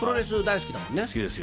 好きですよ